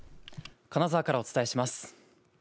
金沢からお伝えします。